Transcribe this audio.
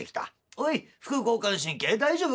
おい副交感神経大丈夫かい？」。